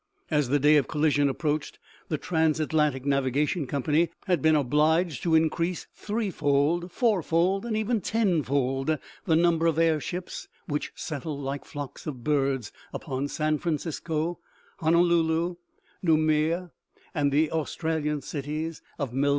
As the day of collision approached, the Trans Atlantic Navigation company had been obliged to increase three fold, fourfold, and even tenfold, the number of air ships, which settled like flocks of birds upon San Francisco, Honolulu, Noumea, and the Australian cities of Mel PEOPLE LEAVING PARIS. I7o OMEGA.